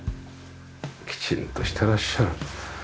きちんとしてらっしゃる。